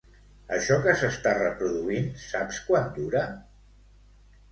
Això que s'està reproduint saps quant dura?